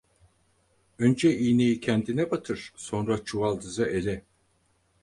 Önce iğneyi kendine batır, sonra çuvaldızı ele.